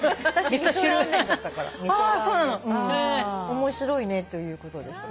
面白いねということでした。